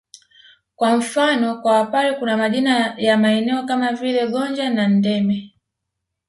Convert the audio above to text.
Kwa mfano kwa Wapare kuna majina ya maeneo kama vile Gonja na Ndeme